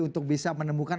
untuk bisa menemukan